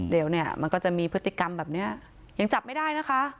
เดี๋ยวเนี่ยมันก็จะมีพฤติกรรมแบบนี้ยังจับไม่ได้นะคะ